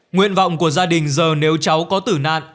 nguyện vọng của gia đình giờ nếu cháu có tử nạn